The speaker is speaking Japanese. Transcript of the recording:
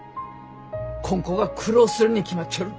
こん子が苦労するに決まっちょる。